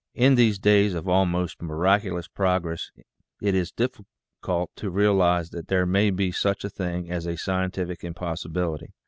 In these days of almost miraculous progress it is difficult to realize that there may be such a thing as a scientific im possibility.